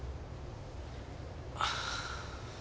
ああ。